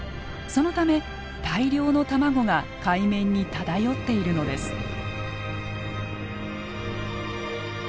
そのため大量の卵が海面に漂っているのです。